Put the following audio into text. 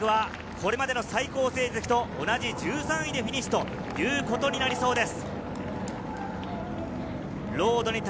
これまでの最高成績と同じ１３位でフィニッシュとなりそうです。